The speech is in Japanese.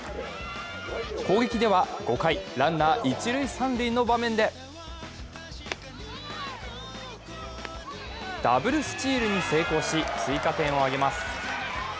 攻撃では５回、ランナー一・三塁の場面でダブルスチールに成功し、追加点を挙げます。